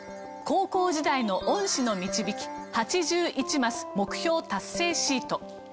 高校時代の恩師の導き「８１マス目標達成シート」。